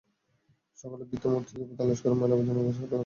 সকালে বৃদ্ধ মূর্তিকে তালাশ করে ময়লা আবর্জনার সাথে গর্তের মাঝে পেল।